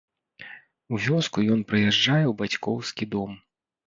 У вёску ён прыязджае ў бацькоўскі дом.